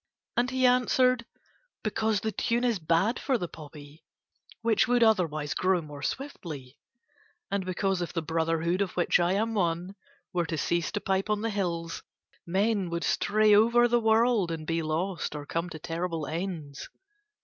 And he answered: "Because the tune is bad for the poppy, which would otherwise grow more swiftly; and because if the brotherhood of which I am one were to cease to pipe on the hills men would stray over the world and be lost or come to terrible ends.